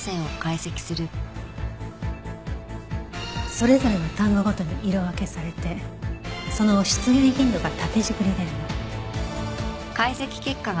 それぞれの単語ごとに色分けされてその出現頻度が縦軸に出るの。